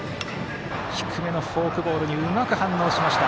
低めのフォークボールにうまく反応しました。